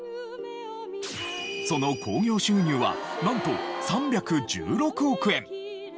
その興行収入はなんと３１６億円！